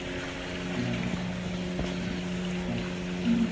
いきなり戦いになってます。